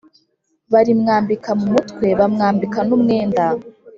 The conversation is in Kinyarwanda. Barimwambika mu mutwe bamwambika n umwenda